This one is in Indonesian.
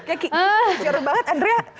kaya kicau kicauan banget andrea